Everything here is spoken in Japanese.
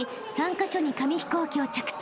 カ所に紙飛行機を着地］